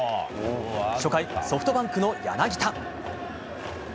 初回、ソフトバンクの柳田。